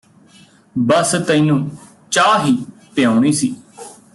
ਬੱਸ ਤੈਨੂੰ ਚਾਹ ਹੀ ਪਿਆਉਣੀ ਸੀ